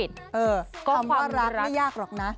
คำว่ารักไม่ยากหรอกนะ